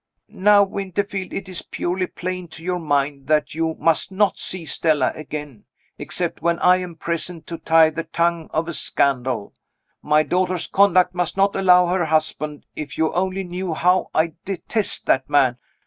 "Now, Winterfield, it is surely plain to your mind that you must not see Stella again except when I am present to tie the tongue of scandal. My daughter's conduct must not allow her husband if you only knew how I detest that man!